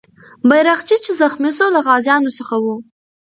بیرغچی چې زخمي سو، له غازیانو څخه و.